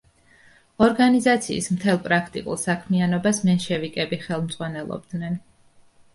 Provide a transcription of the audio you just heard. ორგანიზაციის მთელ პრაქტიკულ საქმიანობას მენშევიკები ხელმძღვანელობდნენ.